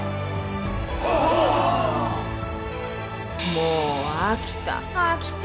もう飽きた。